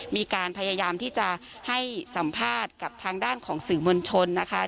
มีการพยายามที่จะให้สัมภาษณ์กับทางด้านของสื่อมวลชนนะคะ